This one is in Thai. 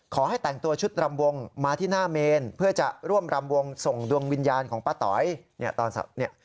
ขอให้แต่งตัวชุดรำวงมาที่หน้าเมนเพื่อจะร่วมรำวงส่งดวงวิญญาณของป้าต๋อยเนี่ยตอนเนี่ย